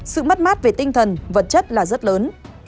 sự mất mát về tinh thần vật chất là rất lớn